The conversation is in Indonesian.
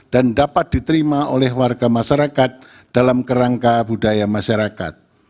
dan dapat diterima oleh warga masyarakat dalam kerangka budaya masyarakat